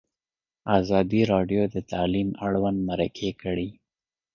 ازادي راډیو د تعلیم اړوند مرکې کړي.